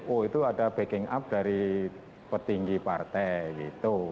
oh itu ada backing up dari petinggi partai gitu